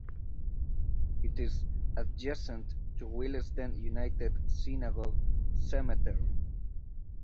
It is adjacent to Willesden United Synagogue Cemetery.